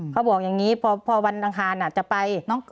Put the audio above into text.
เขาบอกอย่างนี้พอวันอังคารจะไป